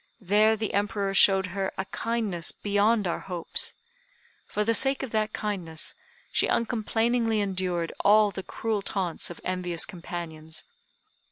There the Emperor showed her a kindness beyond our hopes. For the sake of that kindness she uncomplainingly endured all the cruel taunts of envious companions.